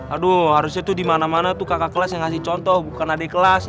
aduh harusnya tuh dimana mana tuh kakak kelas yang ngasih contoh bukan adik kelas